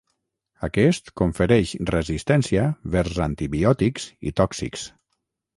Aquest, confereix resistència vers antibiòtics i tòxics.